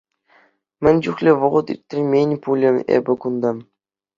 Мӗн чухлӗ вӑхӑт ирттермен пулӗ эпӗ кунта!